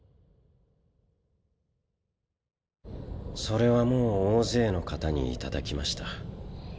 それはもう大勢の方に頂きました。